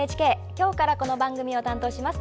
今日からこの番組を担当します